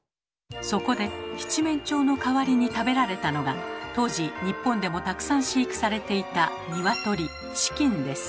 そこで七面鳥の代わりに食べられたのが当時日本でもたくさん飼育されていた鶏チキンです。